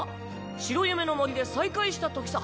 白夢の森で再会したときさ。